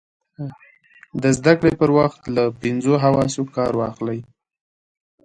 د زده کړې پر وخت له پینځو حواسو کار واخلئ.